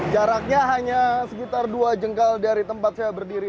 jaraknya hanya sekitar dua jengkal dari tempat saya berdiri